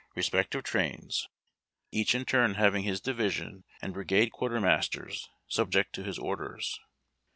respective trains, each in turn having his division and bri gade quartermasters, subject to his orders.